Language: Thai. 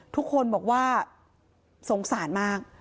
ทุกคนบอกว่าสงสารมาก